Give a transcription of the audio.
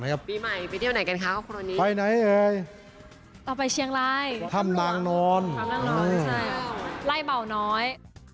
เอาไปเชียงรายทำนางนอนไล่เบาน้อย